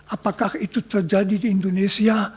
apakah itu terjadi di indonesia